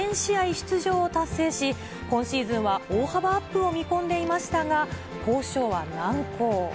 出場を達成し、今シーズンは大幅アップを見込んでいましたが、交渉は難航。